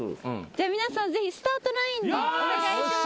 皆さんスタートラインにお願いします。